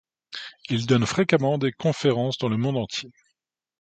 Il donne fréquemment des conférences dans le monde entier.